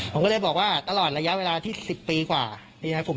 ผมก็เลยบอกว่าตลอดระยะเวลาที่๑๐ปีกว่ายังไงผม